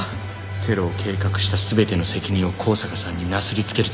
テロを計画した全ての責任を香坂さんになすり付けるつもりだ。